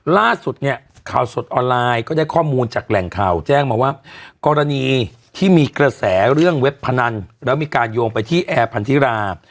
ล่าสุดเนี่ยข่าวสดออนไลน์ก็ได้ข้อมูลจากแหล่งข่าวแจ้งมาว่ากรณีที่มีกระแสเรื่องเว็บพนันแล้วมีการโยงไปที่แอร์พันธิรา